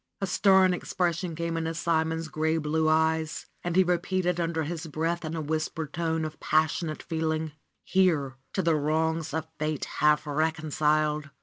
A stern expression came into Simon's gray blue eyes, and he repeated under his breath in a whispered tone of passionate feeling: ^'Here to the wrongs of fate half reconciled.